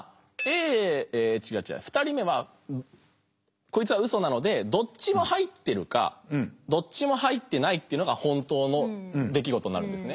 ２人目はこいつはウソなのでどっちも入ってるかどっちも入ってないってのが本当の出来事になるんですね。